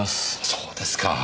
そうですか。